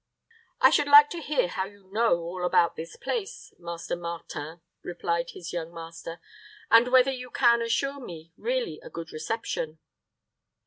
"I should like to hear how you know, all about this place, Master Martin," replied his young master, "and whether you can assure me really a good reception."